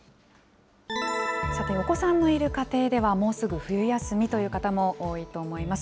さて、お子さんのいる家庭では、もうすぐ冬休みという方も多いと思います。